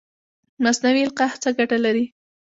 مصنوعي القاح څه ګټه لري؟